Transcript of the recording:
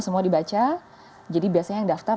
semua dibaca jadi biasanya yang daftar